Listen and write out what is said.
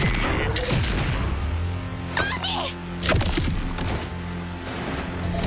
アンディ！